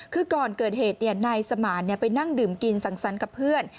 คือก่อนเกิดเหตุนายสมานไปนั่งดื่มกินสังสรรค์กับเพื่อน